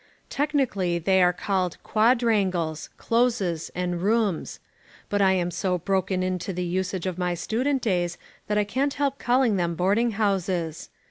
Technically they are called "quadrangles," "closes" and "rooms"; but I am so broken in to the usage of my student days that I can't help calling them boarding houses.